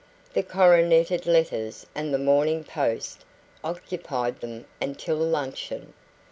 The coroneted letters and the MORNING POST occupied them until luncheon.